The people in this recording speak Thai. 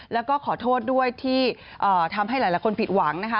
แล้วก็ขอโทษด้วยที่ทำให้หลายคนผิดหวังนะคะ